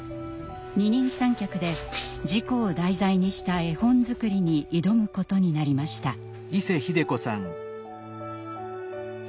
二人三脚で事故を題材にした絵本作りに挑むことになりました。